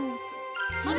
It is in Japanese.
それ！